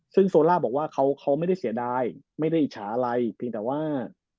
ซึ่งโซล่าบอกว่าเขาไม่ได้เสียดายไม่ได้อิจฉาอะไรเพียงแต่ว่า